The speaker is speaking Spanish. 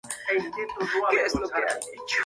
El título de la película era "I Know What Boys Like".